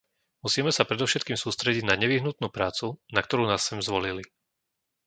Musíme sa predovšetkým sústrediť na nevyhnutnú prácu, na ktorú nás sem zvolili.